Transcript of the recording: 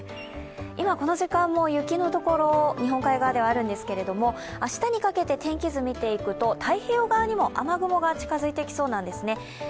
今この時間も雪のところ日本海側ではあるんですけれども明日にかけて天気図見ていくと太平洋側にも雨雲が近づいてきそうなんですね。